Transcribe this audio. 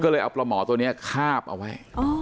ก็เลยเอาประหมอตัวเนี้ยคาบเอาไว้อ๋อ